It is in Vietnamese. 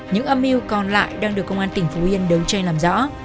những âm mưu còn lại đang được công an tỉnh phú yên đấu tranh làm rõ